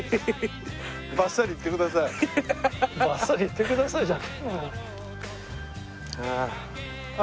「バッサリいってください」じゃねえよ。